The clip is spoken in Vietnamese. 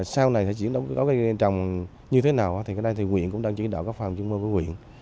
sau này sẽ chuyển đổi cây trồng như thế nào thì nguyện cũng đang chuyển đổi các phòng chứng mơ của nguyện